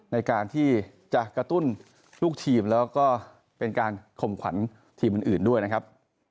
ในการที่จะกระตุ้นลูกทีมแล้วก็เป็นการข่มขวัญทีมอื่นด้วยนะครับ